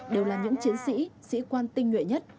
đều là những chiến sĩ sĩ quan tinh nhuệ nhất